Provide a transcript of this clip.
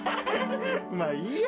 まあいいや。